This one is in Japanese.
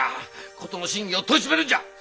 事の真偽を問い詰めるんじゃ！